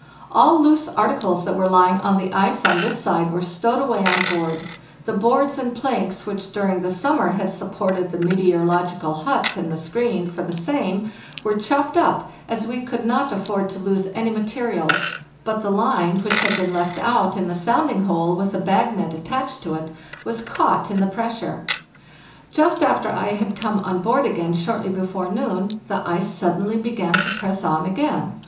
All loose articles that were lying on the ice on this side were stowed away on board; the boards and planks which, during the summer, had supported the meteor ological hut and the screen for the same were chopped up, as we could not afford to lose any materials; but the line, which had been left out in the sounding hole with the bag net attached to it, was caught in the pressure. Just after I had come on board again short ly before noon the ice suddenly began to press on again.